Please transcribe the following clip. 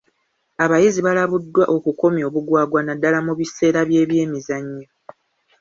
Abayizi balabuddwa okukomya obugwagwa naddaala mu biseera by'ebyemizannyo.